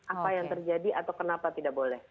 apa yang terjadi atau kenapa tidak boleh